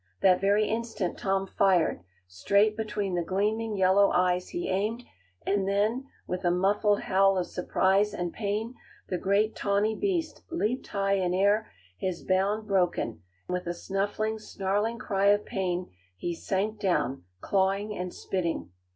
That very instant Tom fired. Straight between the gleaming, yellow eyes he aimed, and then, with a muffled howl of surprise and pain, the great, tawny beast leaped high in air, his bound broken; with a snuffling, snarling cry of pain he sank down, clawing and spitting.